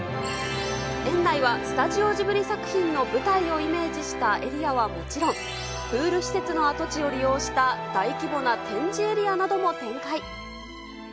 園内は、スタジオジブリ作品の舞台をイメージしたエリアはもちろん、プール施設の跡地を利用した大規模な展示エリアなども展開。